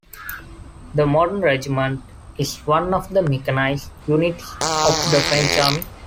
The modern regiment is one of the mechanised units of the French Army.